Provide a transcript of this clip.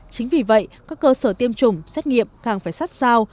chính vì vậy các cơ sở tiêm chủng xét nghiệm càng phải sát sao